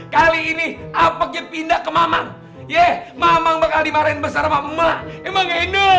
kali ini apanya pindah ke mamang mamang bakal dimarahin besar sama emak emang